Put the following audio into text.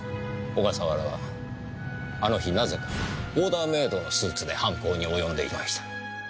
小笠原はあの日なぜかオーダーメードのスーツで犯行に及んでいました。